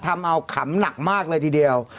ทำเอาขำหนักมากเลยทีเดียว